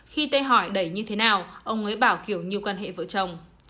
khi tê hỏi đẩy như thế nào ông ấy bảo kiểu như quan hệ vợ chồng